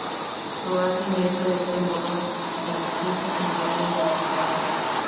Proaza ingresa de este modo en la Junta General del Principado.